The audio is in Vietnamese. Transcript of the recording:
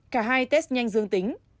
cả hai test nhanh dương tính